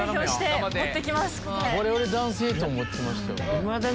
我々男性と思ってました。